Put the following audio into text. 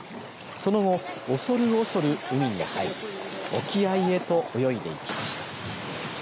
その後、おそるおそる海に入り沖合へと泳いでいきました。